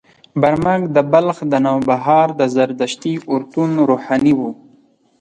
برمک د بلخ د نوبهار د زردشتي اورتون روحاني و.